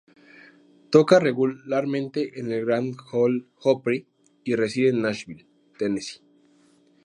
Toca regularmente en el Grand Ole Opry y reside en Nashville, Tennessee.